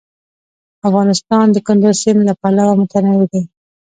افغانستان د کندز سیند له پلوه متنوع دی.